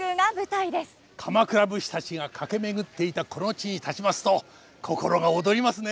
鎌倉武士たちが駆け巡っていたこの地に立ちますと心が躍りますね。